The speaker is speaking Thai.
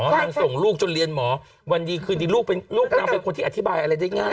นางส่งลูกจนเรียนหมอวันดีคืนดีลูกนางเป็นคนที่อธิบายอะไรได้ง่าย